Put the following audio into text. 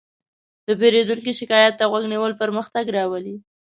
د پیرودونکي شکایت ته غوږ نیول پرمختګ راولي.